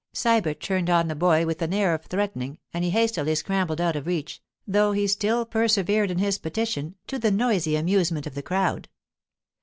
Sybert turned on the boy, with an air of threatening, and he hastily scrambled out of reach, though he still persevered in his petition, to the noisy amusement of the crowd.